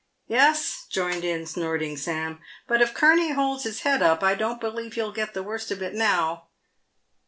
" Yes," joined in Snorting Sam, " but if Kurney holds his head up I don't believe he'll get the worst of it now."